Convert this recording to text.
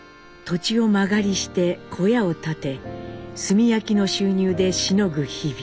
土地を間借りして小屋を建て炭焼きの収入でしのぐ日々。